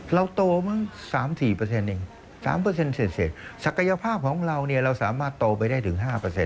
เราโต๓๔เอง๓เสร็จศักยภาพของเราเราสามารถโตไปได้ถึง๕